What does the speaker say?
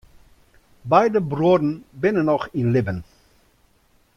Beide bruorren binne noch yn libben.